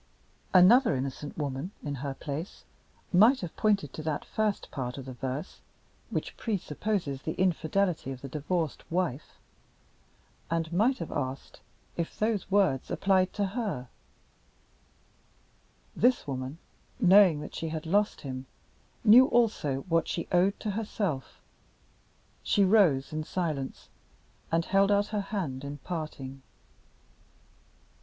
Another innocent woman, in her place, might have pointed to that first part of the verse, which pre supposes the infidelity of the divorced wife, and might have asked if those words applied to her. This woman, knowing that she had lost him, knew also what she owed to herself. She rose in silence, and held out her hand at parting.